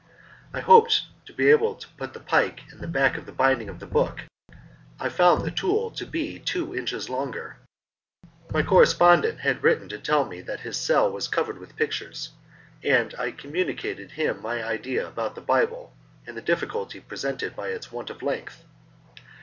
I hoped to be able to put the pike in the back of the binding of this large volume, and thus to convey it to the monk, but when I saw the book I found the tool to be two inches longer. My correspondent had written to tell me that his cell was covered with pictures, and I had communicated him my idea about the Bible and the difficulty presented by its want of length.